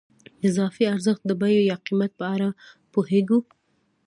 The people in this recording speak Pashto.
د اضافي ارزښت د بیې یا قیمت په اړه پوهېږو